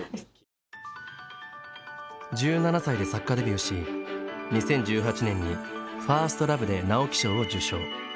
１７歳で作家デビューし２０１８年に「ファーストラヴ」で直木賞を受賞。